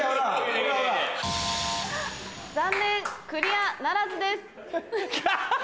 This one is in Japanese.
残念クリアならずです。